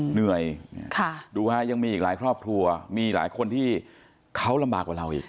เหนื่อยดูฮะยังมีอีกหลายครอบครัวมีหลายคนที่เขาลำบากกว่าเราอีก